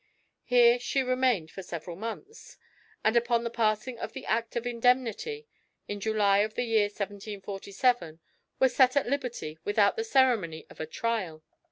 Here she remained for several months, and upon the passing of the Act of Indemnity, in July of the year, 1747, was set at liberty without the ceremony of a trial.